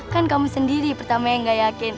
kan kamu sendiri pertama yang gak yakin